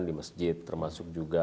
di masjid termasuk juga